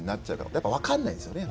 やっぱ分かんないですよね